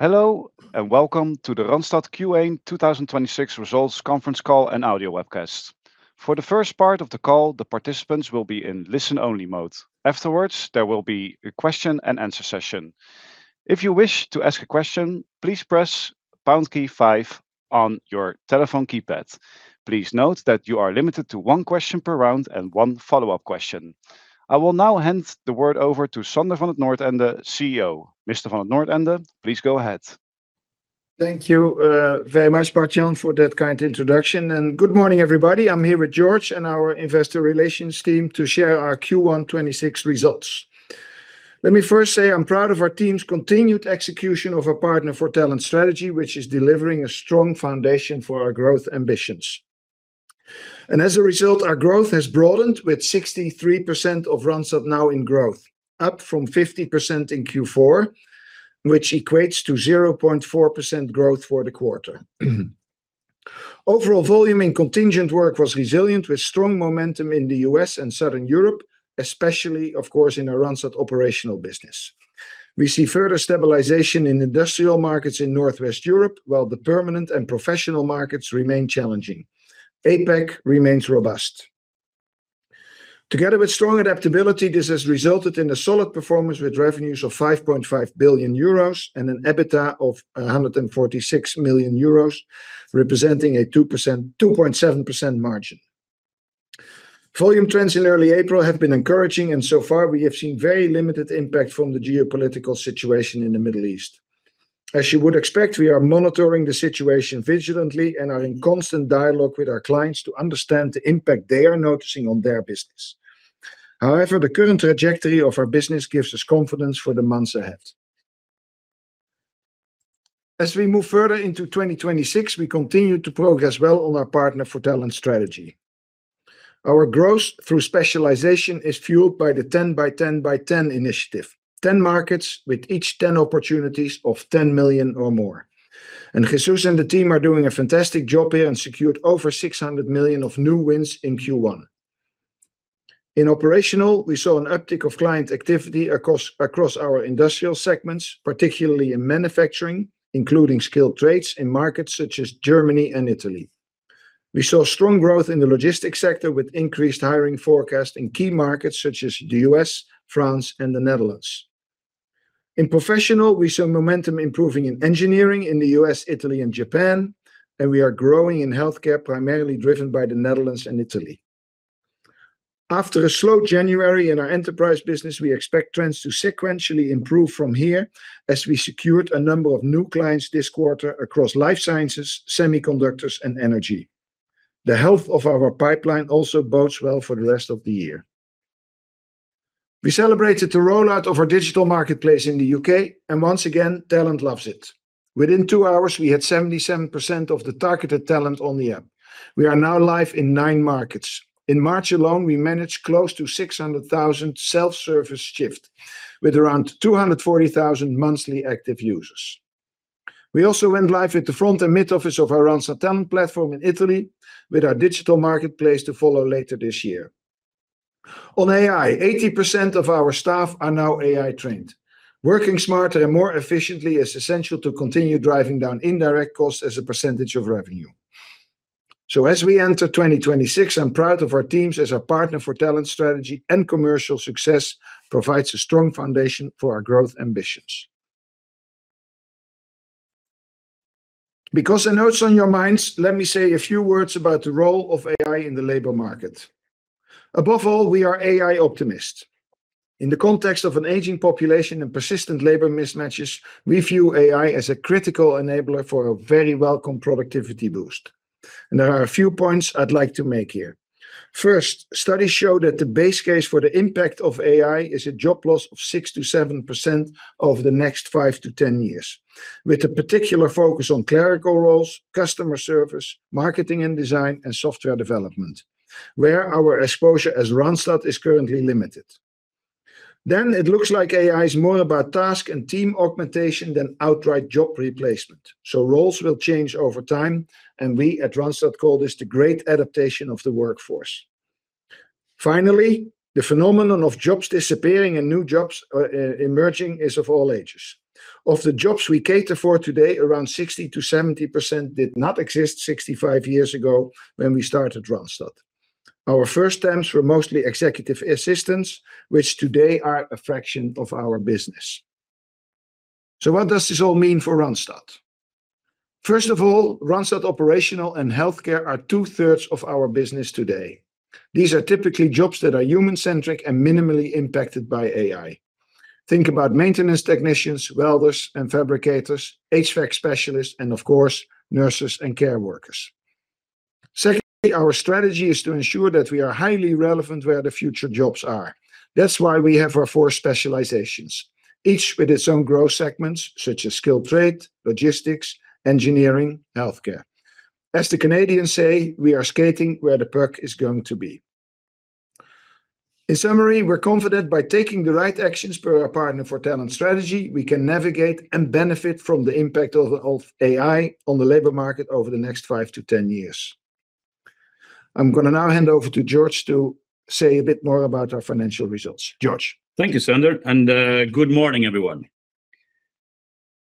Hello, and welcome to the Randstad Q1 2026 results conference call and audio webcast. For the first part of the call, the participants will be in listen-only mode. Afterwards, there will be a question and answer session. If you wish to ask a question, please press pound key five on your telephone keypad. Please note that you are limited to one question per round and one follow-up question. I will now hand the word over to Sander van 't Noordende, CEO. Mr. van 't Noordende, please go ahead. Thank you very much, Bart Jan, for that kind introduction, and good morning, everybody. I'm here with Jorge and our investor relations team to share our Q1 2026 results. Let me first say I'm proud of our team's continued execution of our Partner for Talent strategy, which is delivering a strong foundation for our growth ambitions. As a result, our growth has broadened with 63% of Randstad now in growth, up from 50% in Q4, which equates to 0.4% growth for the quarter. Overall volume in contingent work was resilient, with strong momentum in the U.S. and Southern Europe, especially, of course, in our Randstad Operational business. We see further stabilization in industrial markets in Northwest Europe, while the permanent and professional markets remain challenging. APAC remains robust. Together with strong adaptability, this has resulted in a solid performance with revenues of 5.5 billion euros and an EBITDA of 146 million euros, representing a 2.7% margin. Volume trends in early April have been encouraging, and so far, we have seen very limited impact from the geopolitical situation in the Middle East. As you would expect, we are monitoring the situation vigilantly and are in constant dialogue with our clients to understand the impact they are noticing on their business. However, the current trajectory of our business gives us confidence for the months ahead. As we move further into 2026, we continue to progress well on our Partner for Talent strategy. Our growth through specialization is fueled by the 10 by 10 by 10 initiative. 10 markets with each 10 opportunities of 10 million or more. Jesus and the team are doing a fantastic job here and secured over 600 million of new wins in Q1. In Operational, we saw an uptick of client activity across our industrial segments, particularly in manufacturing, including skilled trades in markets such as Germany and Italy. We saw strong growth in the logistics sector, with increased hiring forecast in key markets such as the U.S., France, and the Netherlands. In Professional, we saw momentum improving in engineering in the U.S., Italy, and Japan, and we are growing in Healthcare, primarily driven by the Netherlands and Italy. After a slow January in our enterprise business, we expect trends to sequentially improve from here as we secured a number of new clients this quarter across life sciences, semiconductors, and energy. The health of our pipeline also bodes well for the rest of the year. We celebrated the rollout of our digital marketplace in the U.K., and once again, talent loves it. Within two hours, we had 77% of the targeted talent on the app. We are now live in nine markets. In March alone, we managed close to 600,000 self-service shifts, with around 240,000 monthly active users. We also went live with the front and mid-office of our Randstad Talent Platform in Italy, with our digital marketplace to follow later this year. On AI, 80% of our staff are now AI trained. Working smarter and more efficiently is essential to continue driving down indirect costs as a percentage of revenue. As we enter 2026, I'm proud of our teams as our Partner for Talent strategy and commercial success provides a strong foundation for our growth ambitions. Because I know it's on your minds, let me say a few words about the role of AI in the labor market. Above all, we are AI optimists. In the context of an aging population and persistent labor mismatches, we view AI as a critical enabler for a very welcome productivity boost. There are a few points I'd like to make here. First, studies show that the base case for the impact of AI is a job loss of 6%-7% over the next five to 10 years, with a particular focus on clerical roles, customer service, marketing and design, and software development, where our exposure as Randstad is currently limited. It looks like AI is more about task and team augmentation than outright job replacement, so roles will change over time, and we at Randstad call this the great adaptation of the workforce. Finally, the phenomenon of jobs disappearing and new jobs emerging is of all ages. Of the jobs we cater for today, around 60%-70% did not exist 65 years ago when we started Randstad. Our first temps were mostly executive assistants, which today are a fraction of our business. What does this all mean for Randstad? First of all, Randstad Operational and Healthcare are 2/3 of our business today. These are typically jobs that are human-centric and minimally impacted by AI. Think about maintenance technicians, welders and fabricators, HVAC specialists, and of course, nurses and care workers. Secondly, our strategy is to ensure that we are highly relevant where the future jobs are. That's why we have our four specializations, each with its own growth segments, such as skilled trade, logistics, engineering, healthcare. As the Canadians say, we are skating where the puck is going to be. In summary, we're confident by taking the right actions per our Partner for Talent strategy, we can navigate and benefit from the impact of AI on the labor market over the next five to 10 years. I'm going to now hand over to Jorge to say a bit more about our financial results. Jorge? Thank you, Sander, and good morning, everyone.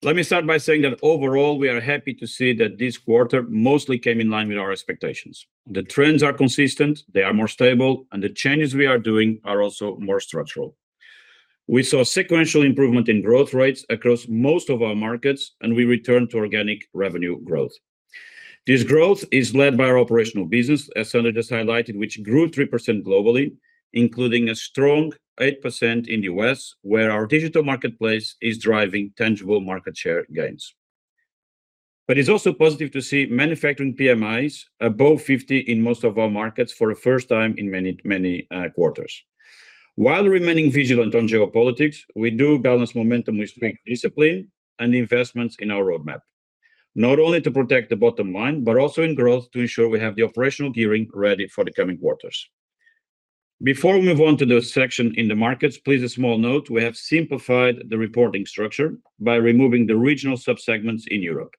Let me start by saying that overall, we are happy to see that this quarter mostly came in line with our expectations. The trends are consistent, they are more stable, and the changes we are doing are also more structural. We saw sequential improvement in growth rates across most of our markets, and we returned to organic revenue growth. This growth is led by our Operational business, as Sander just highlighted, which grew 3% globally, including a strong 8% in U.S., where our digital marketplace is driving tangible market share gains. It's also positive to see manufacturing PMIs above 50 in most of our markets for the first time in many quarters. While remaining vigilant on geopolitics, we do balance momentum with strict discipline and investments in our roadmap, not only to protect the bottom line, but also in growth to ensure we have the operational gearing ready for the coming quarters. Before we move on to the section in the markets, please note, a small note, we have simplified the reporting structure by removing the regional sub-segments in Europe.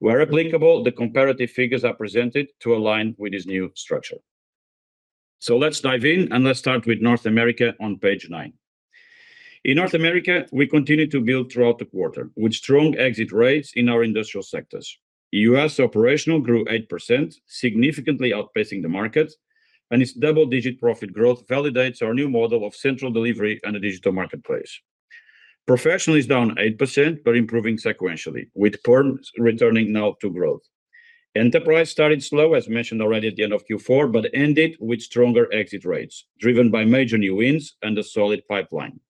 Where applicable, the comparative figures are presented to align with this new structure. Let's dive in, and let's start with North America on page nine. In North America, we continued to build throughout the quarter, with strong exit rates in our industrial sectors. U.S. operational grew 8%, significantly outpacing the market, and its double-digit profit growth validates our new model of central delivery and a digital marketplace. Professional is down 8%, but improving sequentially, with perm returning now to growth. Enterprise started slow, as mentioned already at the end of Q4, but ended with stronger exit rates, driven by major new wins and a solid pipeline.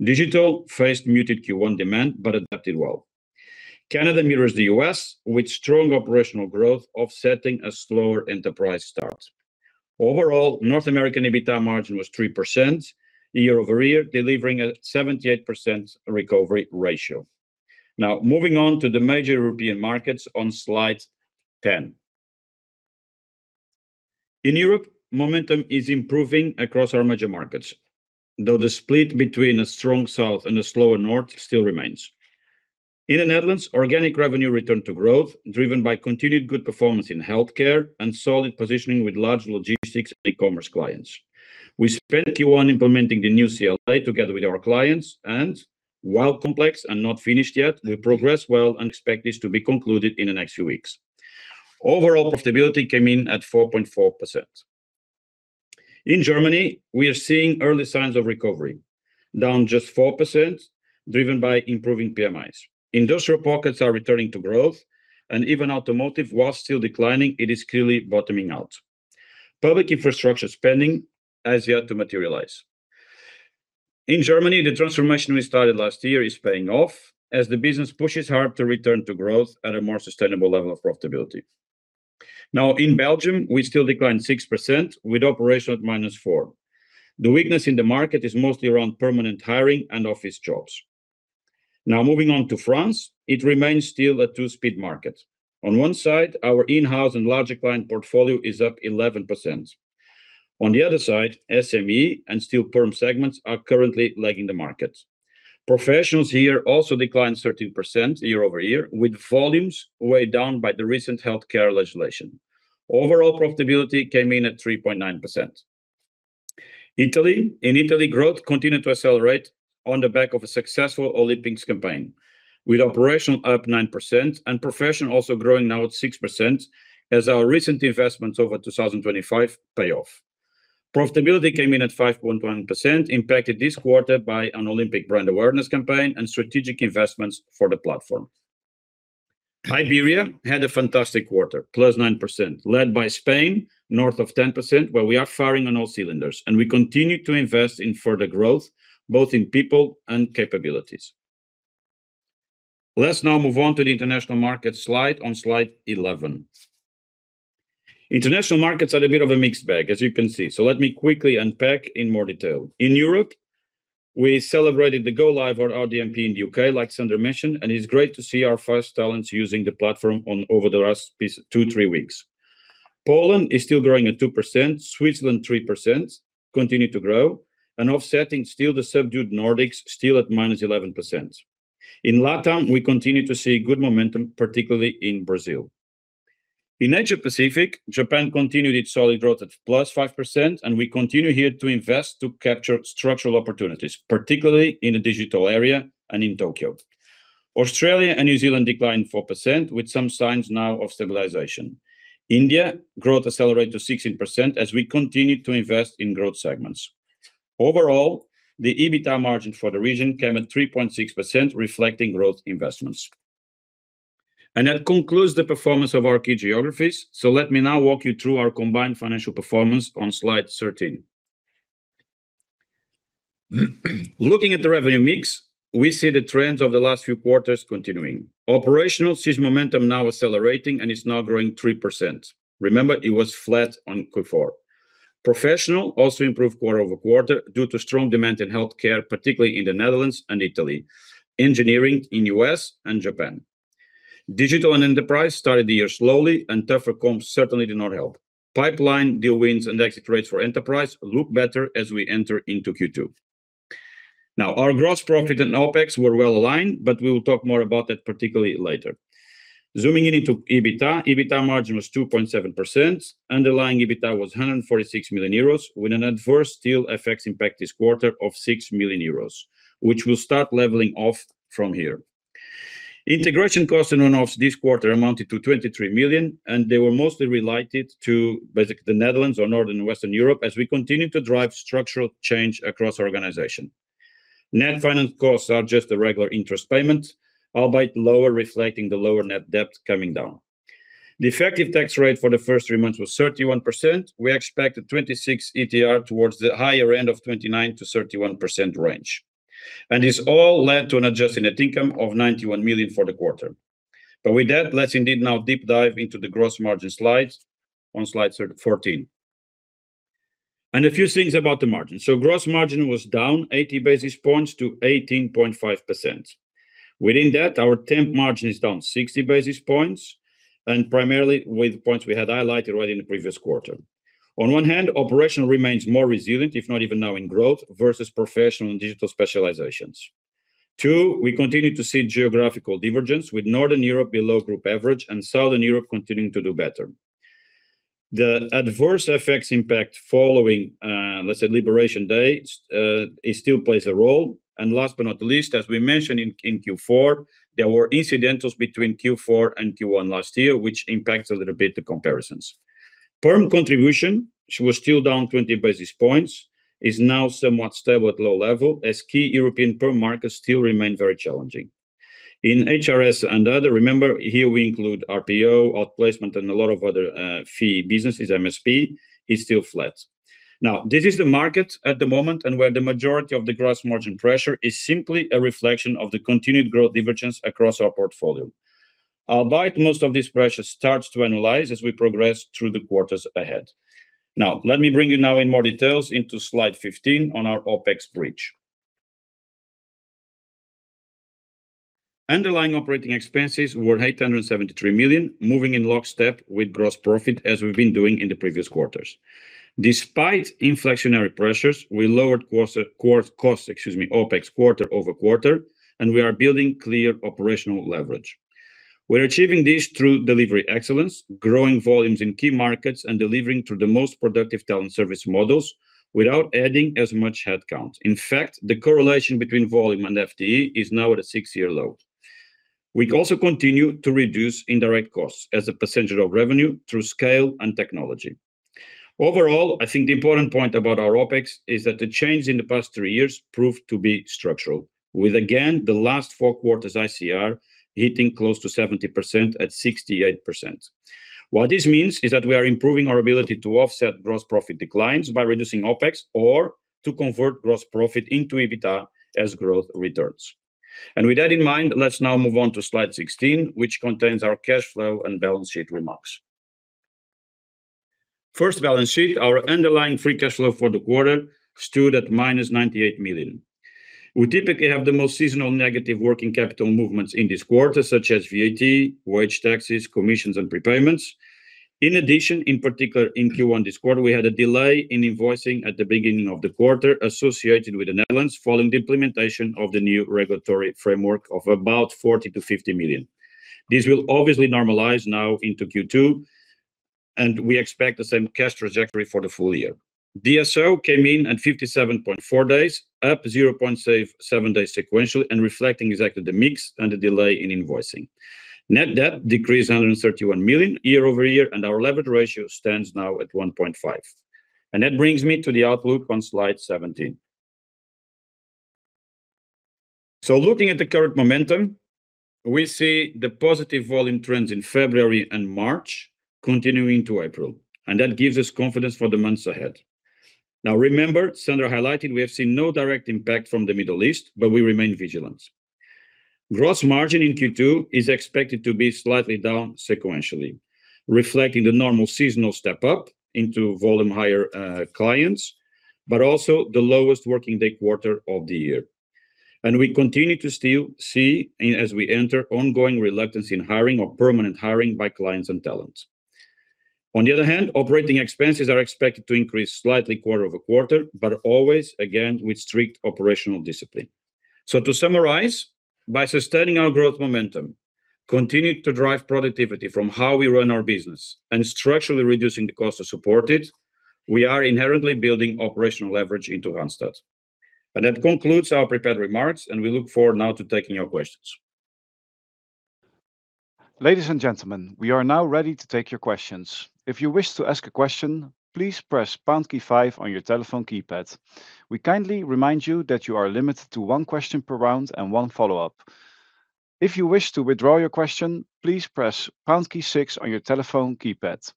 Digital faced muted Q1 demand, but adapted well. Canada mirrors the U.S., with strong operational growth offsetting a slower enterprise start. Overall, North American EBITDA margin was 3% year-over-year, delivering a 78% recovery ratio. Now, moving on to the major European markets on slide 10. In Europe, momentum is improving across our major markets, though the split between a strong south and a slower north still remains. In the Netherlands, organic revenue returned to growth, driven by continued good performance in Healthcare and solid positioning with large logistics and e-commerce clients. We spent Q1 implementing the new CLA together with our clients, and while complex and not finished yet, we progress well and expect this to be concluded in the next few weeks. Overall profitability came in at 4.4%. In Germany, we are seeing early signs of recovery, down just 4%, driven by improving PMIs. Industrial pockets are returning to growth, and even automotive, while still declining, it is clearly bottoming out. Public infrastructure spending has yet to materialize. In Germany, the transformation we started last year is paying off as the business pushes hard to return to growth at a more sustainable level of profitability. Now in Belgium, we still declined 6%, with operation at -4%. The weakness in the market is mostly around permanent hiring and office jobs. Now moving on to France, it remains still a two-speed market. On one side, our in-house and larger client portfolio is up 11%. On the other side, SME and still perm segments are currently lagging the market. Professionals here also declined 13% year-over-year, with volumes weighed down by the recent healthcare legislation. Overall profitability came in at 3.9%. Italy. In Italy, growth continued to accelerate on the back of a successful Olympics campaign, with Operational up 9% and Professionals also growing now at 6% as our recent investments over 2025 pay off. Profitability came in at 5.1%, impacted this quarter by an Olympics brand awareness campaign and strategic investments for the platform. Iberia had a fantastic quarter, +9%, led by Spain, north of 10%, where we are firing on all cylinders, and we continue to invest in further growth, both in people and capabilities. Let's now move on to the international market slide on slide 11. International markets are a bit of a mixed bag, as you can see. Let me quickly unpack in more detail. In Europe, we celebrated the go live of our RDMP in the U.K., like Sander mentioned, and it's great to see our first talents using the platform over the last two, three weeks. Poland is still growing at 2%. Switzerland 3%, continue to grow, and offsetting still the subdued Nordics, still at -11%. In LatAm, we continue to see good momentum, particularly in Brazil. In Asia Pacific, Japan continued its solid growth at +5%, and we continue here to invest to capture structural opportunities, particularly in the digital area and in Tokyo. Australia and New Zealand declined -4%, with some signs now of stabilization. India growth accelerated to 16% as we continued to invest in growth segments. Overall, the EBITDA margin for the region came in 3.6%, reflecting growth investments. That concludes the performance of our key geographies. Let me now walk you through our combined financial performance on slide 13. Looking at the revenue mix, we see the trends of the last few quarters continuing. Operational sees momentum now accelerating and is now growing 3%. Remember, it was flat on Q4. Professional also improved quarter-over-quarter due to strong demand in healthcare, particularly in the Netherlands and Italy, engineering in U.S. and Japan. Digital and Enterprise started the year slowly and tougher comps certainly did not help. Pipeline deal wins and exit rates for Enterprise look better as we enter into Q2. Now, our gross profit and OpEx were well aligned, but we will talk more about that particularly later. Zooming in into EBITDA. EBITDA margin was 2.7%. Underlying EBITDA was 146 million euros, with an adverse FX effects impact this quarter of 6 million euros, which will start leveling off from here. Integration costs and one-offs this quarter amounted to 23 million, and they were mostly related to basically the Netherlands or Northern and Western Europe as we continue to drive structural change across our organization. Net finance costs are just the regular interest payments, albeit lower, reflecting the lower net debt coming down. The effective tax rate for the first three months was 31%. We expect the 2026 ETR towards the higher end of 29%-31% range. This all led to an adjusted net income of 91 million for the quarter. With that, let's indeed now deep dive into the gross margin slides on slide 14. A few things about the margin. Gross margin was down 80 basis points to 18.5%. Within that, our temp margin is down 60 basis points and primarily with points we had highlighted already in the previous quarter. On one hand, operational remains more resilient, if not even now in growth versus professional and digital specializations. Two, we continue to see geographical divergence with Northern Europe below group average and Southern Europe continuing to do better. The adverse FX impact following, let's say, Liberation Day, it still plays a role. Last but not the least, as we mentioned in Q4, there were incidentals between Q4 and Q1 last year, which impacts a little bit the comparisons. Perm contribution, which was still down 20 basis points, is now somewhat stable at low level as key European perm markets still remain very challenging. In HRS and other, remember here we include RPO, outplacement, and a lot of other fee businesses, MSP, is still flat. This is the market at the moment and where the majority of the gross margin pressure is simply a reflection of the continued growth divergence across our portfolio. Albeit most of this pressure starts to ease as we progress through the quarters ahead. Let me bring you now into more details on slide 15 on our OpEx bridge. Underlying operating expenses were 873 million, moving in lockstep with gross profit, as we've been doing in the previous quarters. Despite inflationary pressures, we lowered costs, excuse me, OpEx quarter-over-quarter, and we are building clear operational leverage. We're achieving this through delivery excellence, growing volumes in key markets, and delivering through the most productive talent service models without adding as much headcount. In fact, the correlation between volume and FTE is now at a six-year low. We also continue to reduce indirect costs as a percentage of revenue through scale and technology. Overall, I think the important point about our OpEx is that the change in the past three years proved to be structural, with again, the last four quarters ICR hitting close to 70% at 68%. What this means is that we are improving our ability to offset gross profit declines by reducing OpEx or to convert gross profit into EBITDA as growth returns. With that in mind, let's now move on to slide 16, which contains our cash flow and balance sheet remarks. First, balance sheet. Our underlying free cash flow for the quarter stood at -98 million. We typically have the most seasonal negative working capital movements in this quarter, such as VAT, wage taxes, commissions, and prepayments. In addition, in particular in Q1 this quarter, we had a delay in invoicing at the beginning of the quarter associated with the Netherlands following the implementation of the new regulatory framework of about 40 million-50 million. This will obviously normalize now into Q2, and we expect the same cash trajectory for the full-year. DSO came in at 57.4 days, up 0.7 days sequentially, and reflecting exactly the mix and the delay in invoicing. Net debt decreased 131 million year-over-year, and our leverage ratio stands now at 1.5. That brings me to the outlook on slide 17. Looking at the current momentum, we see the positive volume trends in February and March continuing to April, and that gives us confidence for the months ahead. Now remember, Sander highlighted we have seen no direct impact from the Middle East, but we remain vigilant. Gross margin in Q2 is expected to be slightly down sequentially, reflecting the normal seasonal step-up into higher-volume clients, but also the lowest working day quarter of the year. We continue to still see as we enter ongoing reluctance in hiring or permanent hiring by clients and talents. On the other hand, operating expenses are expected to increase slightly quarter-over-quarter, but always, again, with strict operational discipline. To summarize, by sustaining our growth momentum, continuing to drive productivity from how we run our business, and structurally reducing the cost to support it, we are inherently building operational leverage into Randstad. That concludes our prepared remarks, and we look forward now to taking your questions. Ladies and gentlemen, we are now ready to take your questions. If you wish to ask a question, please press pound key five on your telephone keypad. We kindly Rémind you that you are limited to one question per round and one follow-up. If you wish to withdraw your question, please press pound key six on your telephone keypad.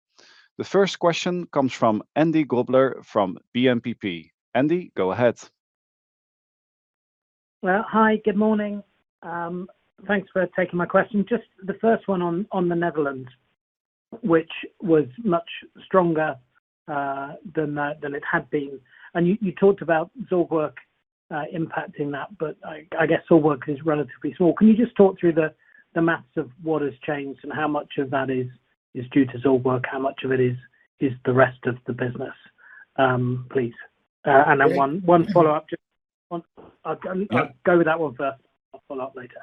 The first question comes from Andy Grobler from BNP Paribas. Andy, go ahead. Well, hi. Good morning. Thanks for taking my question. Just the first one on the Netherlands, which was much stronger than it had been. You talked about Zorgwerk impacting that, but I guess Zorgwerk is relatively small. Can you just talk through the math of what has changed and how much of that is due to Zorgwerk? How much of it is the rest of the business, please? One follow-up. I'll go with that one first. I'll follow up later.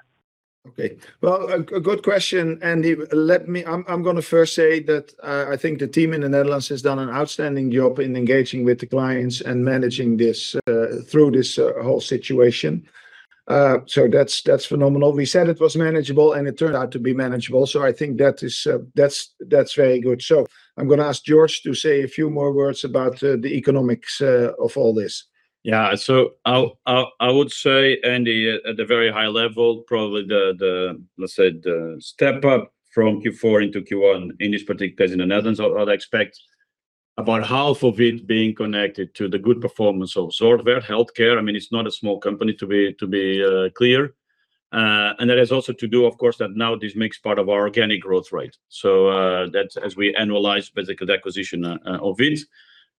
Okay. Well, a good question, Andy. I'm going to first say that I think the team in the Netherlands has done an outstanding job in engaging with the clients and managing this through this whole situation. That's phenomenal. We said it was manageable, and it turned out to be manageable. I think that's very good. I'm going to ask Jorge to say a few more words about the economics of all this. Yeah. I would say, Andy, at the very high level, probably the, let's say, the step up from Q4 into Q1 in this particular, in the Netherlands, I'd expect about half of it being connected to the good performance of Zorgwerk, their healthcare. It's not a small company, to be clear. That is also due to, of course, that now this makes part of our organic growth rate. That's as we annualize basically the acquisition of it.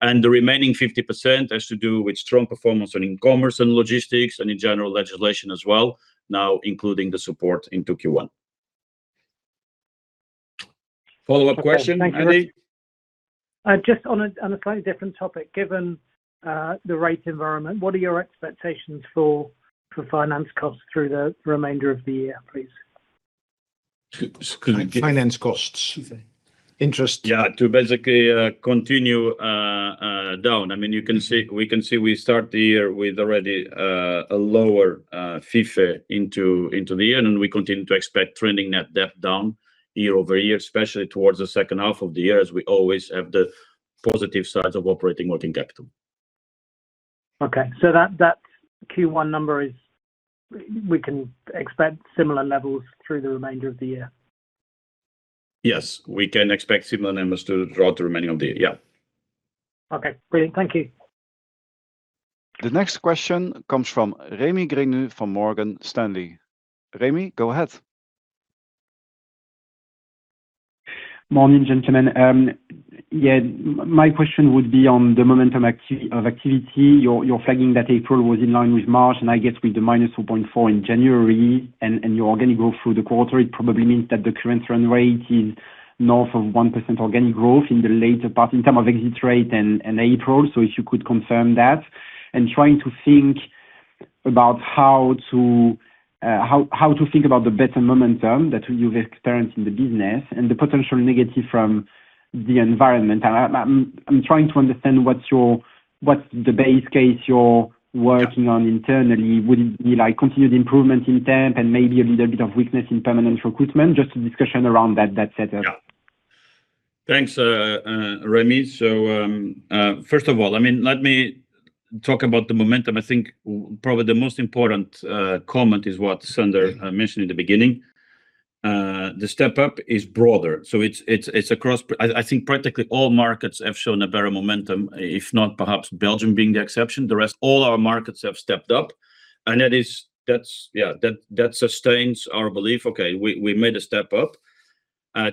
The remaining 50% has to do with strong performance in commerce and logistics and in general legislation as well, now including the support into Q1. Follow-up question, Andy? Just on a slightly different topic. Given the rate environment, what are your expectations for finance costs through the remainder of the year, please? Excuse me. Finance costs. Interest. Yeah. To basically continue down. We can see we start the year with already a lower FIFO into the year, and we continue to expect trending net debt down year-over-year, especially towards the second half of the year, as we always have the positive sides of operating working capital. Q1 number is, we can expect similar levels through the remainder of the year? Yes, we can expect similar numbers throughout the remainder of the year. Okay, great. Thank you. The next question comes from Rémi Grenu from Morgan Stanley. Rémi, go ahead. Morning, gentlemen. Yeah, my question would be on the momentum of activity. You're flagging that April was in line with March, and I guess with the -2.4% in January and your organic growth through the quarter, it probably means that the current run rate is north of 1% organic growth in the latter part in terms of exit rate and April. If you could confirm that. Trying to think about how to think about the better momentum that you've experienced in the business and the potential negative from the environment. I'm trying to understand what the base case you're working on internally. Would it be like continued improvement in temp and maybe a little bit of weakness in permanent recruitment? Just a discussion around that setup. Thanks, Rémi. First of all, let me talk about the momentum. I think probably the most important comment is what Sander mentioned in the beginning. The step-up is broader, so it's across, I think practically all markets have shown a better momentum, if not perhaps Belgium being the exception. The rest, all our markets have stepped up. That sustains our belief. Okay, we made a step up.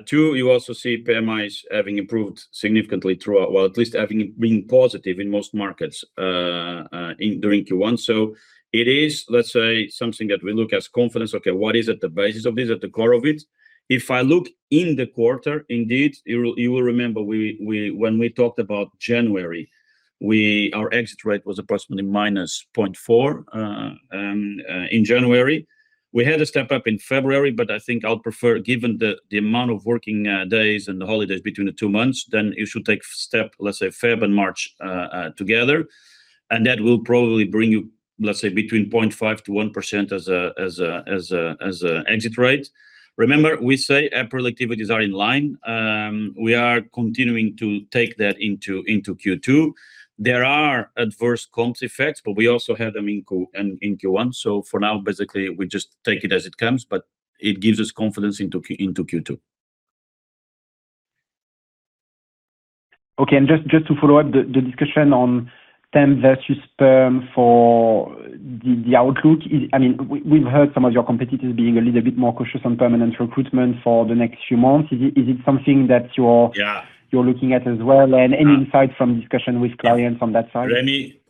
Two, you also see PMIs having improved significantly throughout, well, at least having been positive in most markets during Q1. It is, let's say, something that we look as confidence. Okay, what is at the basis of this, at the core of it? If I look in the quarter, indeed, you will remember when we talked about January, our exit rate was approximately -0.4 in January. We had a step up in February, but I think I'll prefer, given the amount of working days and the holidays between the two months, then you should take step, let's say, Feb and March together, and that will probably bring you, let's say, between 0.5%-1% as an exit rate. Remember we say temp productivities are in line. We are continuing to take that into Q2. There are adverse comps effects, but we also had them in Q1. For now, basically, we just take it as it comes, but it gives us confidence into Q2. Okay, just to follow up the discussion on temp versus perm for the outlook. We've heard some of your competitors being a little bit more cautious on permanent recruitment for the next few months. Is it something that you're? Yeah You're looking at as well? Any insight from discussion with clients from that side?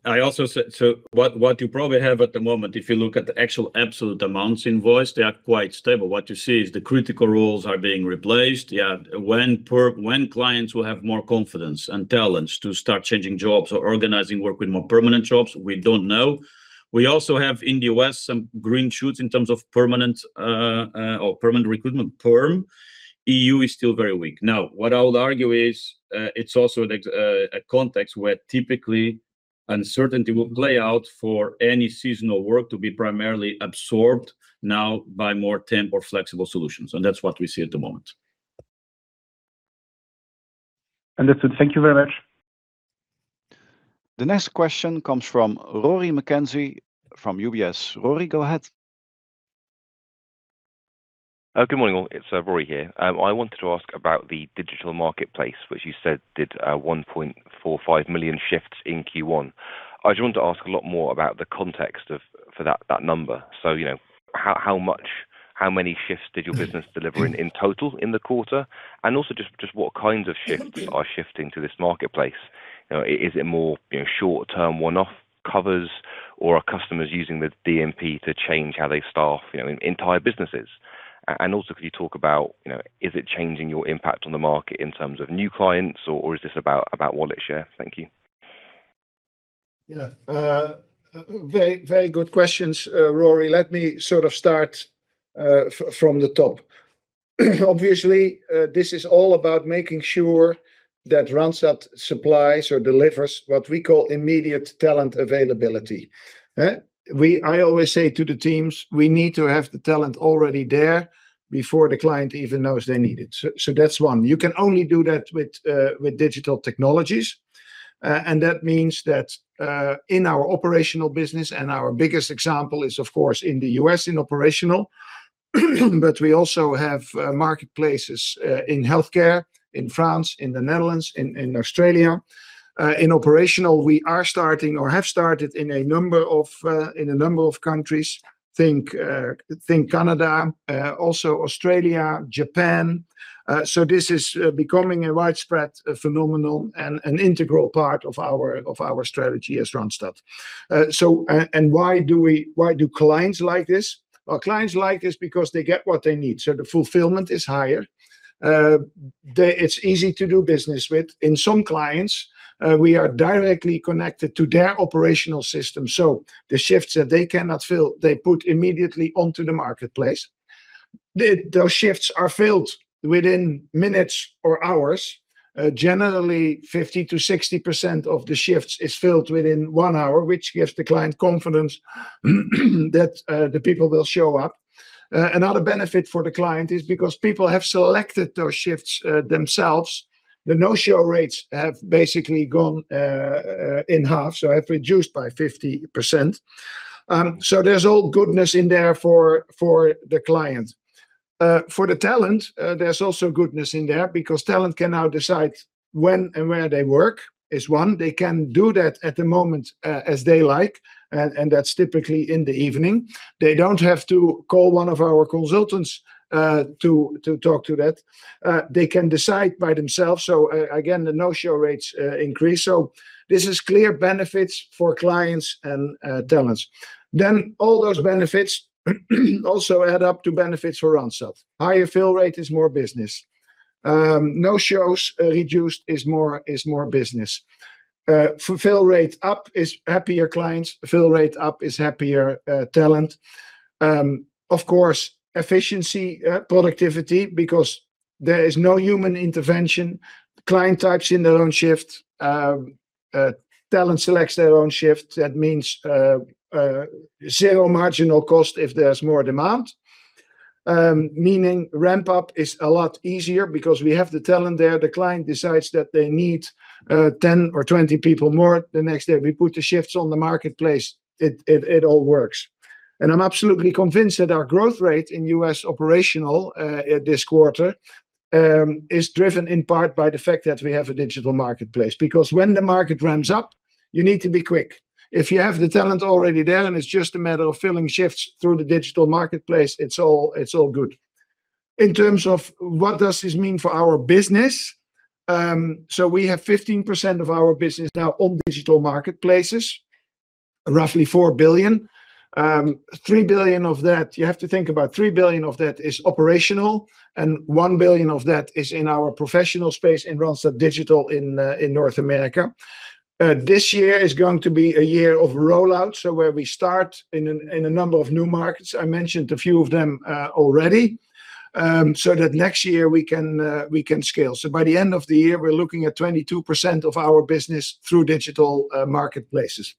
Rémi, what you probably have at the moment, if you look at the actual absolute amounts invoice, they are quite stable. What you see is the critical roles are being replaced. Yeah. When clients will have more confidence and talents to start changing jobs or organizing work with more permanent jobs, we don't know. We also have in the U.S. some green shoots in terms of permanent recruitment, perm. EU is still very weak. Now, what I would argue is it's also a context where typically uncertainty will play out for any seasonal work to be primarily absorbed now by more temp or flexible solutions. That's what we see at the moment. Understood. Thank you very much. The next question comes from Rory McKenzie from UBS. Rory, go ahead. Good morning, all. It's Rory here. I wanted to ask about the digital marketplace, which you said did 1.45 million shifts in Q1. I just want to ask a lot more about the context for that number. How many shifts did your business deliver in total in the quarter? And also just what kinds of shifts are shifting to this marketplace? Is it more short term one-off covers or are customers using the DMP to change how they staff entire businesses? And also, could you talk about, is it changing your impact on the market in terms of new clients, or is this about wallet share? Thank you. Yeah. Very good questions, Rory. Let me start from the top. Obviously, this is all about making sure that Randstad supplies or delivers what we call immediate talent availability. I always say to the teams, we need to have the talent already there before the client even knows they need it. That's one. You can only do that with digital technologies. That means that in our operational business, and our biggest example is, of course, in the U.S. in Operational. We also have marketplaces in Healthcare, in France, in the Netherlands, in Australia. In Operational, we are starting or have started in a number of countries. Think Canada, also Australia, Japan. This is becoming a widespread phenomenon and an integral part of our strategy as Randstad. Why do clients like this? Well, clients like this because they get what they need. The fulfillment is higher. It's easy to do business with. In some clients, we are directly connected to their operational system. The shifts that they cannot fill, they put immediately onto the marketplace. Those shifts are filled within minutes or hours. Generally, 50%-60% of the shifts is filled within one hour, which gives the client confidence that the people will show up. Another benefit for the client is because people have selected those shifts themselves, the no-show rates have basically gone in half, so have reduced by 50%. There's all goodness in there for the client. For the talent, there's also goodness in there because talent can now decide when and where they work is one. They can do that at the moment as they like, and that's typically in the evening. They don't have to call one of our consultants to talk to that. They can decide by themselves. Again, the no-show rates increase. This is clear benefits for clients and talents. All those benefits also add up to benefits for Randstad. Higher fill rate is more business. No-shows reduced is more business. Fill rate up is happier clients. Fill rate up is happier talent. Of course, efficiency, productivity because there is no human intervention. The client types in their own shift. Talent selects their own shift. That means zero marginal cost if there's more demand, meaning ramp up is a lot easier because we have the talent there. The client decides that they need 10 or 20 people more. The next day, we put the shifts on the marketplace. It all works. I'm absolutely convinced that our growth rate in U.S. Operational this quarter is driven in part by the fact that we have a digital marketplace. Because when the market ramps up, you need to be quick. If you have the talent already there, then it's just a matter of filling shifts through the digital marketplace. It's all good. In terms of what does this mean for our business, so we have 15% of our business now on digital marketplaces, roughly 4 billion. You have to think about 3 billion of that is Operational, and 1 billion of that is in our Professional space in Randstad Digital in North America. This year is going to be a year of rollout, so where we start in a number of new markets, I mentioned a few of them already, so that next year we can scale. By the end of the year, we're looking at 22% of our business through digital marketplaces.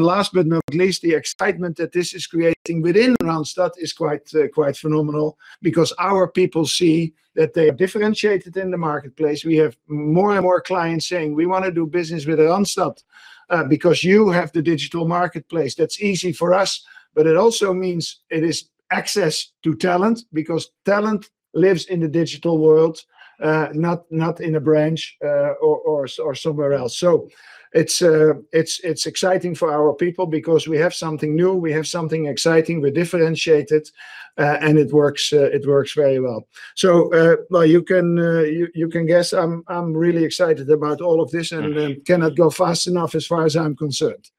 Last but not least, the excitement that this is creating within Randstad is quite phenomenal because our people see that they are differentiated in the marketplace. We have more and more clients saying, "We want to do business with Randstad because you have the digital marketplace that's easy for us," but it also means it is access to talent because talent lives in the digital world, not in a branch, or somewhere else. It's exciting for our people because we have something new, we have something exciting, we're differentiated, and it works very well. You can guess I'm really excited about all of this and cannot go fast enough as far as I'm concerned.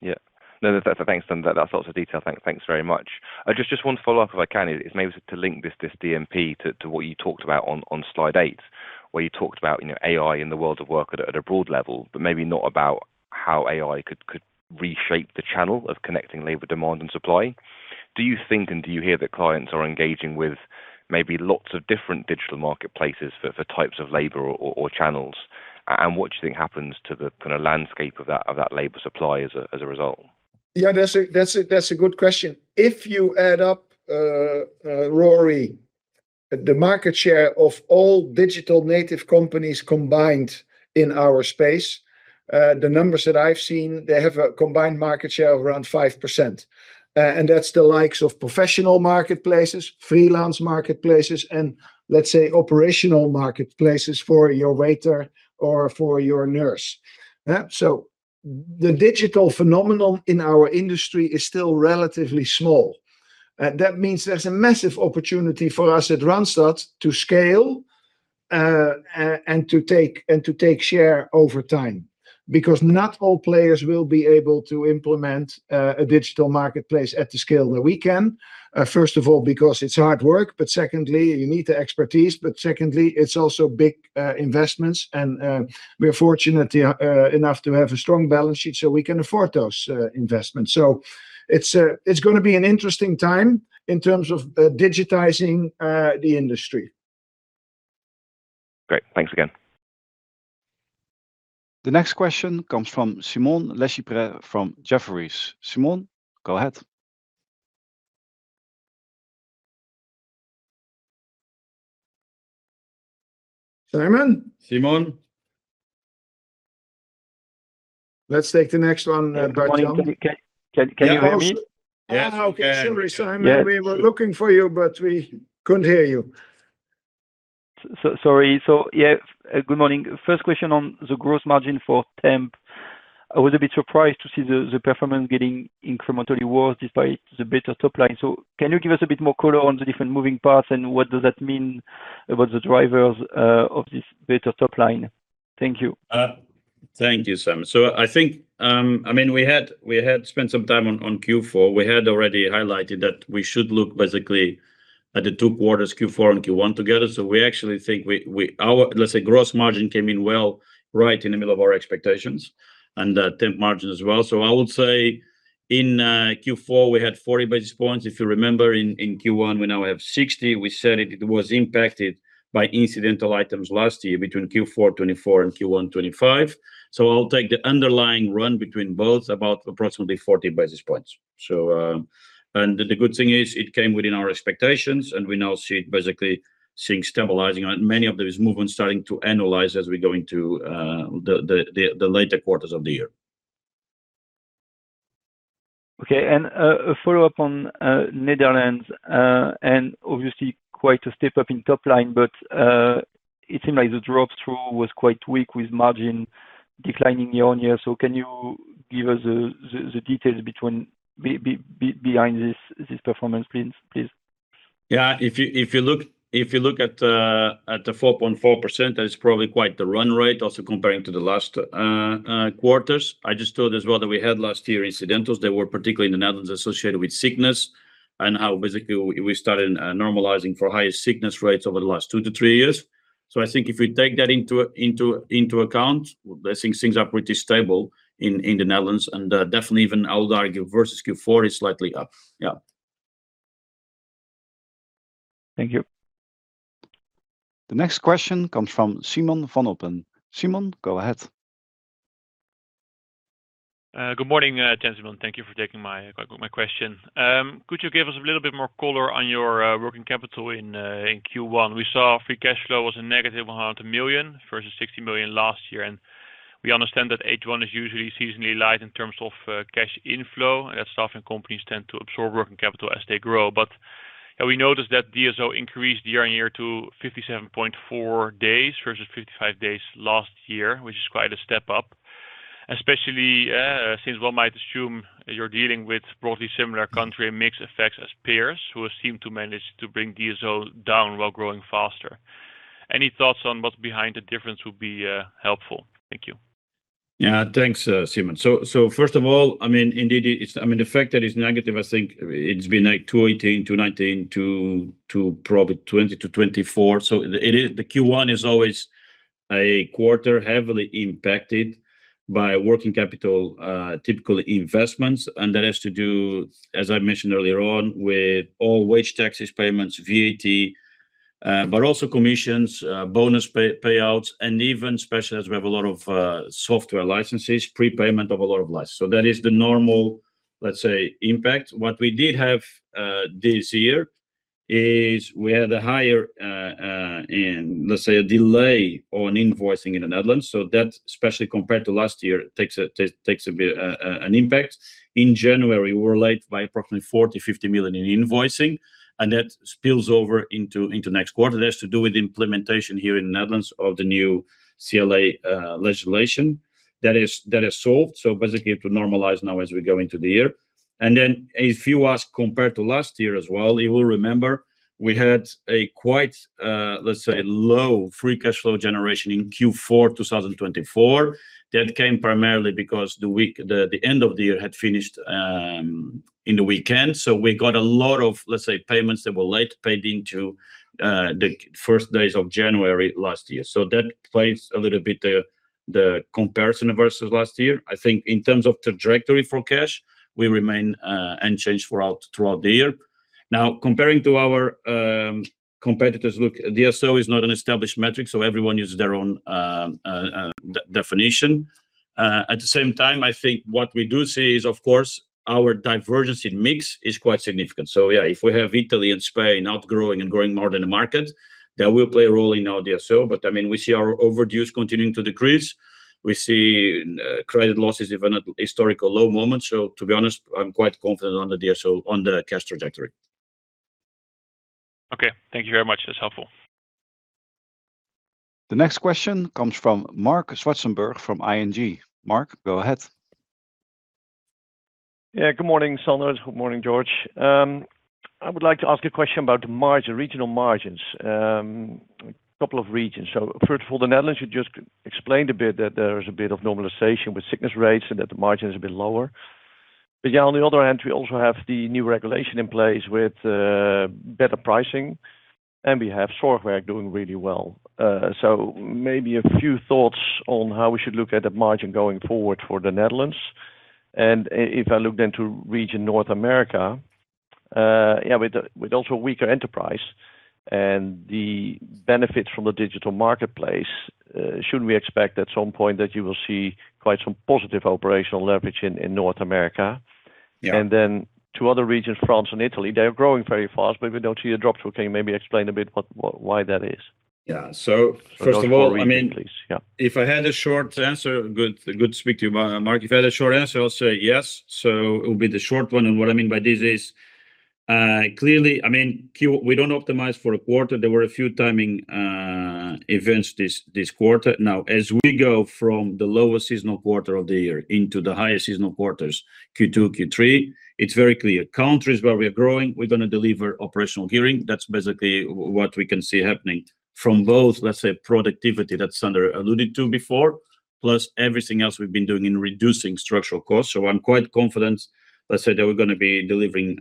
Yeah. No, thanks for that. That's lots of detail. Thank you. Thanks very much. I just want to follow up if I can. It's maybe to link this DMP to what you talked about on slide eight, where you talked about AI in the world of work at a broad level, but maybe not about how AI could reshape the channel of connecting labor demand and supply. Do you think, and do you hear that clients are engaging with maybe lots of different digital marketplaces for types of labor or channels? And what do you think happens to the kind of landscape of that labor supply as a result? Yeah, that's a good question. If you add up, Rory, the market share of all digital native companies combined in our space, the numbers that I've seen, they have a combined market share of around 5%, and that's the likes of Professional marketplaces, Freelance marketplaces, and let's say Operational marketplaces for your waiter or for your nurse. The digital phenomenon in our industry is still relatively small. That means there's a massive opportunity for us at Randstad to scale and to take share over time, because not all players will be able to implement a digital marketplace at the scale that we can. First of all, because it's hard work, but secondly, you need the expertise, but secondly, it's also big investments, and we are fortunate enough to have a strong balance sheet so we can afford those investments. It's going to be an interesting time in terms of digitizing the industry. Great. Thanks again. The next question comes from Simon Lechipre from Jefferies. Simon, go ahead. Simon? Simon? Let's take the next one, Bart-Jan. Good morning. Can you hear me? Yeah. Okay. Sorry, Simon. We were looking for you, but we couldn't hear you. Sorry. Yeah. Good morning. First question on the gross margin for Temp. I was a bit surprised to see the performance getting incrementally worse despite the better top line. Can you give us a bit more color on the different moving parts and what does that mean about the drivers of this better top line? Thank you. Thank you, Simon. I think, we had spent some time on Q4. We had already highlighted that we should look basically at the two quarters, Q4 and Q1 together. We actually think, let's say gross margin came in well, right in the middle of our expectations, and Temp margin as well. I would say in Q4, we had 40 basis points. If you remember in Q1, we now have 60 basis points. We said it was impacted by incidental items last year between Q4 2024 and Q1 2025. I'll take the underlying run between both, about approximately 40 basis points. The good thing is it came within our expectations, and we now see it basically seeing stabilizing and many of those movements starting to annualize as we go into the later quarters of the year. Okay. A follow-up on Netherlands, and obviously quite a step-up in top line, but it seemed like the drop-through was quite weak with margin declining year-on-year. Can you give us the details behind this performance, please? Yeah. If you look at the 4.4%, that is probably quite the run rate also comparing to the last quarters. I just thought as well that we had last year incidentals that were particularly in the Netherlands associated with sickness and how basically we started normalizing for higher sickness rates over the last two to three years. I think if we take that into account, I think things are pretty stable in the Netherlands and definitely even I would argue versus Q4 it's slightly up. Yeah. Thank you. The next question comes from Simon van Oppen. Simon, go ahead. Good morning, gentlemen. Thank you for taking my question. Could you give us a little bit more color on your working capital in Q1? We saw free cash flow was a -100 million versus 60 million last year end we understand that H1 is usually seasonally light in terms of cash inflow, and that staffing companies tend to absorb working capital as they grow. We noticed that DSO increased year-on-year to 57.4 days versus 55 days last year, which is quite a step-up, especially since one might assume you're dealing with broadly similar country and mix effects as peers who seem to manage to bring DSO down while growing faster. Any thoughts on what's behind the difference would be helpful. Thank you. Yeah. Thanks, Simon. First of all, indeed, the fact that it's negative, I think it's been like 2018, 2019, to probably 2024. The Q1 is always a quarter heavily impacted by working capital, typical investments. That has to do, as I mentioned earlier on, with all wage taxes, payments, VAT, but also commissions, bonus payouts, and even especially as we have a lot of software licenses, prepayment of a lot of licenses. That is the normal, let's say, impact. What we did have this year is we had a higher, let's say, a delay on invoicing in the Netherlands. That, especially compared to last year, takes an impact. In January, we were late by approximately 40 million-50 million in invoicing, and that spills over into next quarter. That's to do with implementation here in the Netherlands of the new CLA legislation. That is solved, so basically to normalize now as we go into the year. If you ask compared to last year as well, you will remember we had a quite, let's say, low free cash flow generation in Q4 2024. That came primarily because the end of the year had finished in the weekend. We got a lot of, let's say, payments that were late paid into the first days of January last year. That plays a little bit the comparison versus last year. I think in terms of trajectory for cash, we remain unchanged throughout the year. Now, comparing to our competitors, look, DSO is not an established metric, so everyone uses their own definition. At the same time, I think what we do see is, of course, our divergence in mix is quite significant. Yeah, if we have Italy and Spain outgrowing and growing more than the market, that will play a role in our DSO. We see our overdues continuing to decrease. We see credit losses even at historical lows. To be honest, I'm quite confident on the DSO, on the cash trajectory. Okay. Thank you very much. That's helpful. The next question comes from Marc Zwartsenburg from ING. Marc, go ahead. Yeah. Good morning, Sander. Good morning, Jorge. I would like to ask a question about the regional margins. A couple of regions. First of all, the Netherlands, you just explained a bit that there is a bit of normalization with sickness rates and that the margin is a bit lower. Yeah, on the other hand, we also have the new regulation in place with better pricing, and we have software doing really well. Maybe a few thoughts on how we should look at the margin going forward for the Netherlands. If I look then to region North America, with also weaker Enterprise and the benefits from the digital marketplace, should we expect at some point that you will see quite some positive operational leverage in North America? Yeah. Two other regions, France and Italy, they're growing very fast, but we don't see a drop through. Can you maybe explain a bit why that is? Yeah. First of all. For those four regions, please. Yeah. If I had a short answer, good to speak to you, Marc. If I had a short answer, I'll say yes, so it will be the short one. What I mean by this is, clearly, we don't optimize for a quarter. There were a few timing events this quarter. Now, as we go from the lowest seasonal quarter of the year into the highest seasonal quarters, Q2, Q3, it's very clear. Countries where we are growing, we're going to deliver operational gearing. That's basically what we can see happening from both, let's say, productivity that Sander alluded to before, plus everything else we've been doing in reducing structural costs. I'm quite confident, let's say, that we're going to be delivering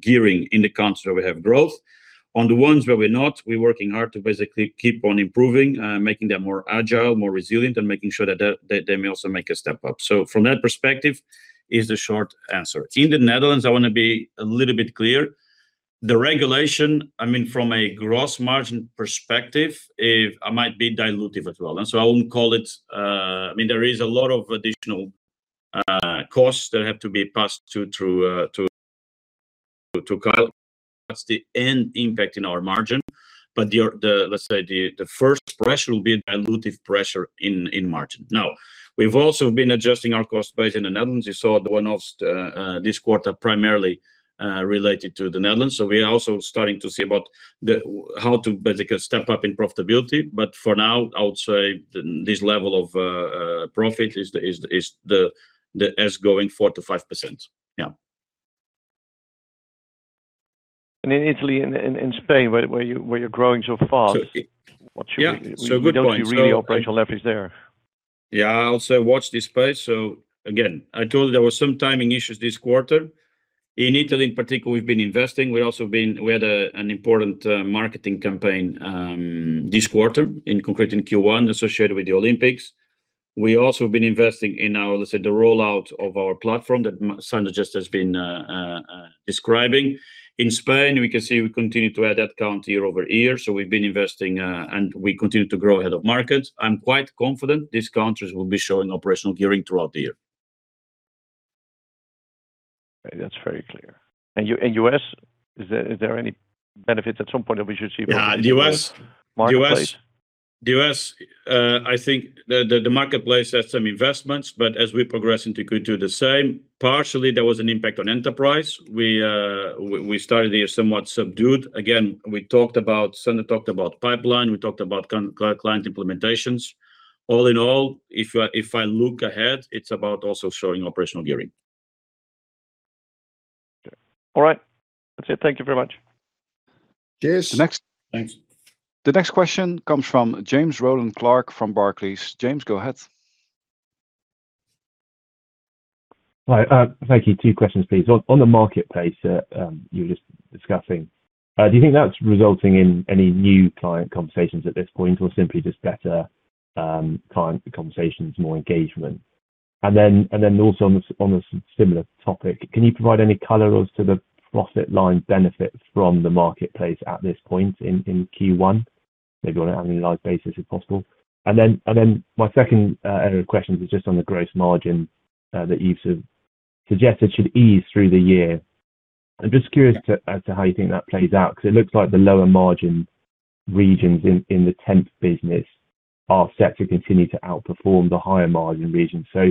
gearing in the countries where we have growth. On the ones where we're not, we're working hard to basically keep on improving, making them more agile, more resilient, and making sure that they may also make a step up. From that perspective is the short answer. In the Netherlands, I want to be a little bit clear. The regulation, from a gross margin perspective, it might be dilutive as well. I wouldn't call it. There is a lot of additional costs that have to be passed to client. That's the end impact in our margin. Let's say, the first pressure will be a dilutive pressure in margin. Now, we've also been adjusting our cost base in the Netherlands. You saw the one-offs this quarter, primarily related to the Netherlands. We are also starting to see about how to basically step up in profitability. For now, I would say this level of profit is going 4%-5%. Yeah. In Italy and in Spain, where you're growing so fast. Yeah. Good point. We don't see really operational leverage there. Yeah. I also watch this space. Again, I told you there was some timing issues this quarter. In Italy in particular, we've been investing. We had an important marketing campaign this quarter, in concreto in Q1, associated with the Olympics. We also have been investing in our, let's say, the rollout of our platform that Sander just has been describing. In Spain, we can see we continue to add that count year-over-year. We've been investing, and we continue to grow ahead of markets. I'm quite confident these countries will be showing operational gearing throughout the year. Right. That's very clear. U.S., is there any benefits at some point that we should see? Yeah. The U.S.- marketplace? The U.S., I think the marketplace has some investments, but as we progress into Q2, the same. Partially, there was an impact on Enterprise. We started the year somewhat subdued. Again, Sander talked about pipeline, we talked about client implementations. All in all, if I look ahead, it's about also showing operational gearing. Okay. All right. That's it. Thank you very much. Cheers. The next- Thanks. The next question comes from James Rowland Clark from Barclays. James, go ahead. Hi. Thank you. Two questions, please. On the marketplace that you were just discussing, do you think that's resulting in any new client conversations at this point, or simply just better client conversations, more engagement? And then also on a similar topic, can you provide any color as to the profit line benefit from the marketplace at this point in Q1, maybe on an annualized basis, if possible? And then my second area of questions is just on the gross margin that you sort of suggested should ease through the year. I'm just curious as to how you think that plays out, because it looks like the lower margin regions in the temp business are set to continue to outperform the higher margin regions. So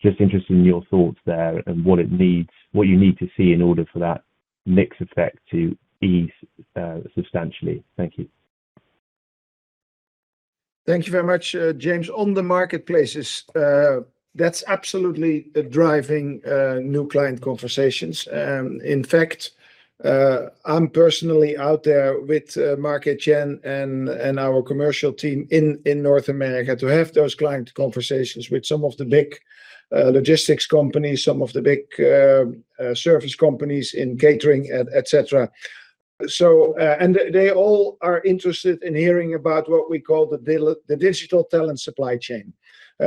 just interested in your thoughts there and what you need to see in order for that mix effect to ease substantially. Thank you. Thank you very much, James. On the marketplaces, that's absolutely driving new client conversations. In fact, I'm personally out there with Mark and Jen and our commercial team in North America to have those client conversations with some of the big logistics companies, some of the big service companies in catering, et cetera. They all are interested in hearing about what we call the digital talent supply chain.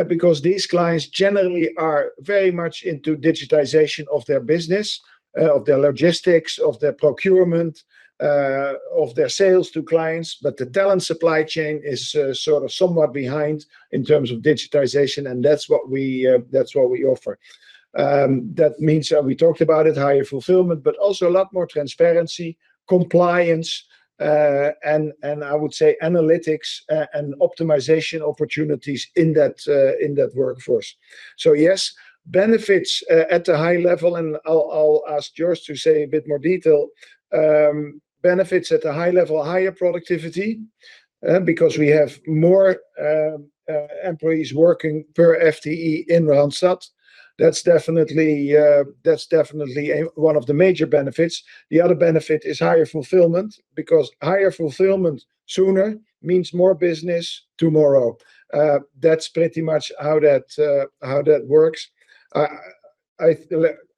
Because these clients generally are very much into digitization of their business, of their logistics, of their procurement, of their sales to clients. The talent supply chain is sort of somewhat behind in terms of digitization, and that's what we offer. That means that we talked about it, higher fulfillment, but also a lot more transparency, compliance, and I would say analytics and optimization opportunities in that workforce. Yes, benefits at a high level, and I'll ask Jorge to say a bit more detail. Higher productivity, because we have more employees working per FTE in Randstad. That's definitely one of the major benefits. The other benefit is higher fulfillment, because higher fulfillment sooner means more business tomorrow. That's pretty much how that works.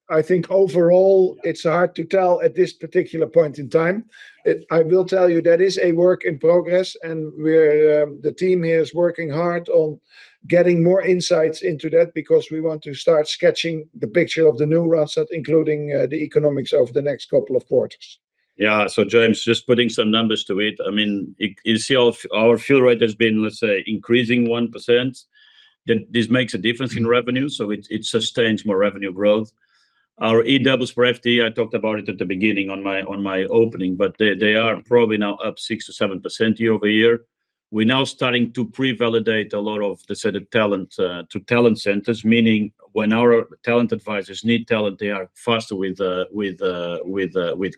I think overall it's hard to tell at this particular point in time. I will tell you that it is a work in progress, and the team here is working hard on getting more insights into that because we want to start sketching the picture of the new Randstad, including the economics over the next couple of quarters. Yeah. James, just putting some numbers to it. You see our fill rate has been, let's say, increasing 1%. This makes a difference in revenue, so it sustains more revenue growth. Our eW4FT, I talked about it at the beginning on my opening, but they are probably now up 6%-7% year-over-year. We're now starting to pre-validate a lot of the set of talent to talent centers, meaning when our talent advisors need talent, they are faster with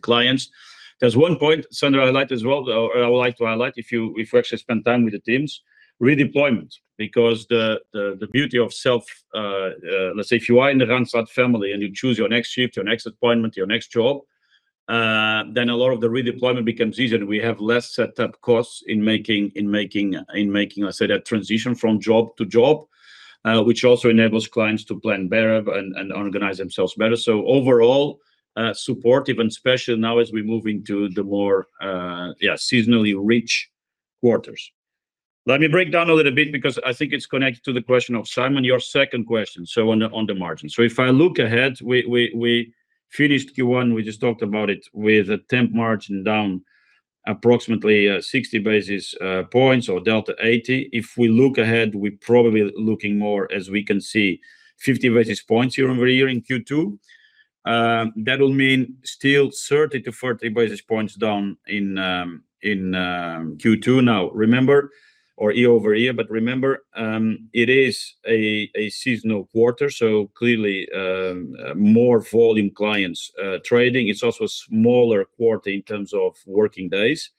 clients. There's one point, Sander, I would like to highlight, if you actually spend time with the teams, redeployment. Because the beauty of let's say if you are in the Randstad family and you choose your next shift or next appointment, your next job, then a lot of the redeployment becomes easier and we have less setup costs in making a set of transition from job to job, which also enables clients to plan better and organize themselves better. Overall, supportive, especially now as we move into the more seasonally rich quarters. Let me break down a little bit because I think it's connected to the question of Simon, your second question, so on the margin. If I look ahead, we finished Q1, we just talked about it, with a Temp margin down approximately 60 basis points or delta 80. If we look ahead, we're probably looking more, as we can see, 50 basis points year-over-year in Q2. That will mean still 30 basis points-40 basis points down in Q2 now. Year-over-year. Remember, it is a seasonal quarter, so clearly more volume clients trading. It's also a smaller quarter in terms of working days.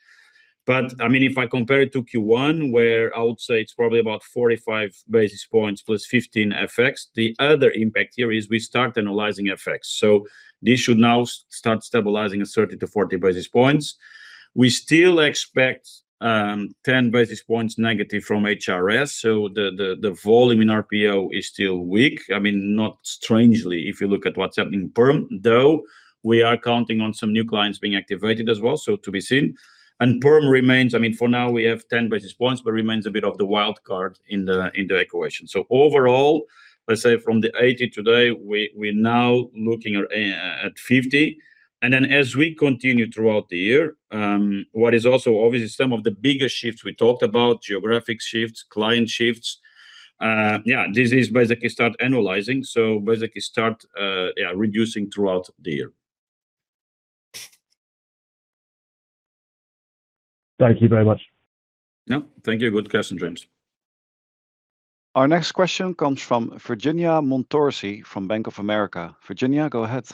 If I compare it to Q1, where I would say it's probably about 45 basis points +15 FX, the other impact here is we start annualizing FX. This should now start stabilizing at 30 basis points-40 basis points. We still expect 10 basis points- from HRS. The volume in RPO is still weak. Not strangely, if you look at what's happening in PERM, though, we are counting on some new clients being activated as well, so to be seen. PERM remains, for now we have 10 basis points, but a bit of the wild card in the equation. Overall, let's say from the 80 today, we're now looking at 50. As we continue throughout the year, what is also obviously some of the bigger shifts we talked about, geographic shifts, client shifts, this is basically start annualizing. Basically start reducing throughout the year. Thank you very much. Yeah. Thank you. Good question, James. Our next question comes from Virginia Montorsi from Bank of America. Virginia, go ahead.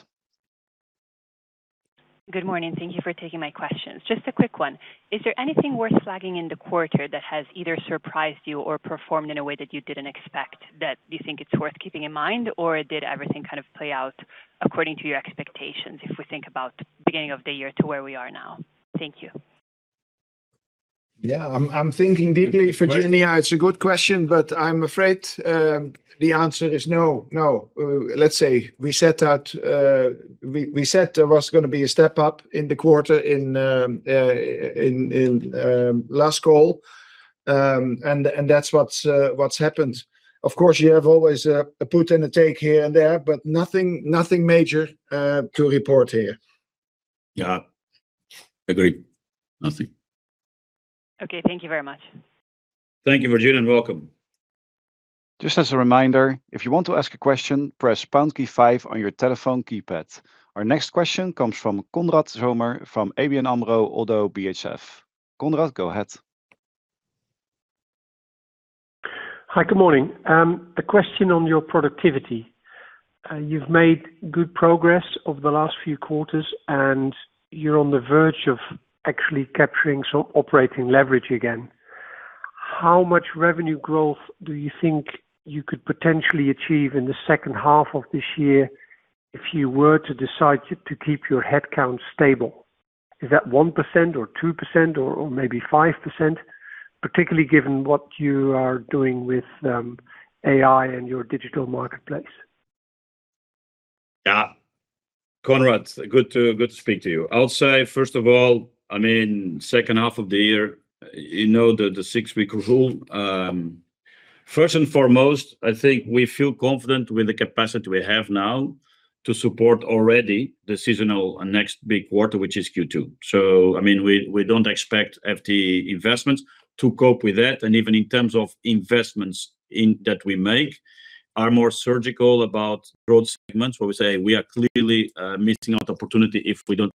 Good morning. Thank you for taking my questions. Just a quick one. Is there anything worth flagging in the quarter that has either surprised you or performed in a way that you didn't expect that you think it's worth keeping in mind, or did everything kind of play out according to your expectations, if we think about beginning of the year to where we are now? Thank you. Yeah. I'm thinking deeply, Virginia. It's a good question, but I'm afraid the answer is no. Let's say we said there was going to be a step up in the quarter in last call. That's what's happened. Of course, you have always a put and a take here and there, but nothing major to report here. Yeah. Agreed. Nothing. Okay. Thank you very much. Thank you, Virginia, and welcome. Just as a reminder, if you want to ask a question, press pound key five on your telephone keypad. Our next question comes from Konrad Zomer from ABN AMRO - ODDO BHF. Konrad, go ahead. Hi, good morning. A question on your productivity. You've made good progress over the last few quarters and you're on the verge of actually capturing some operating leverage again. How much revenue growth do you think you could potentially achieve in the second half of this year if you were to decide to keep your headcount stable? Is that 1% or 2% or maybe 5%, particularly given what you are doing with AI and your digital marketplace? Yeah. Konrad, good to speak to you. I'll say, first of all, second half of the year, you know the six-week rule. First and foremost, I think we feel confident with the capacity we have now to support already the seasonal next big quarter, which is Q2. We don't expect FT investments to cope with that, and even in terms of investments that we make are more surgical about growth segments where we say we are clearly missing out opportunity if we don't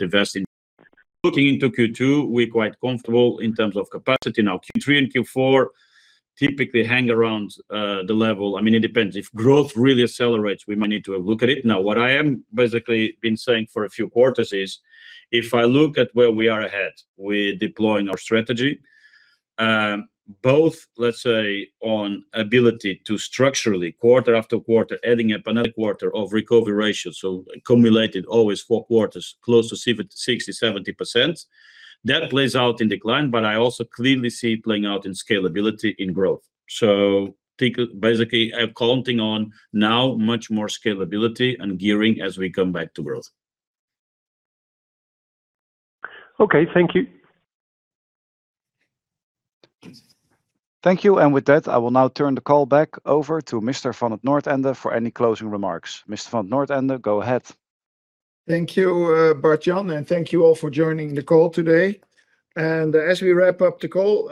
invest in. Looking into Q2, we're quite comfortable in terms of capacity. Now, Q3 and Q4 typically hang around the level. It depends. If growth really accelerates, we might need to have a look at it. Now, what I am basically been saying for a few quarters is if I look at where we are ahead, we're deploying our strategy. Both, let's say, on the ability to structurally quarter-after-quarter, adding up another quarter of recovery ratio. Cumulatively always four quarters, close to 60%-70%. That plays out in decline, but I also clearly see it playing out in scalability and growth. Basically, I'm counting on now much more scalability and gearing as we come back to growth. Okay. Thank you. Thank you. With that, I will now turn the call back over to Mr. van't Noordende for any closing remarks. Mr. van't Noordende, go ahead. Thank you, Bart Jan, and thank you all for joining the call today. As we wrap up the call,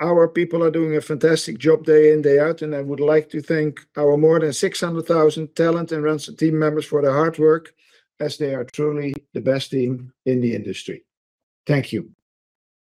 our people are doing a fantastic job day in, day out, and I would like to thank our more than 600,000 talent and Randstad team members for their hard work as they are truly the best team in the industry. Thank you.